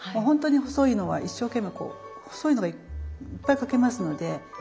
ほんとに細いのは一生懸命こう細いのがいっぱい描けますので。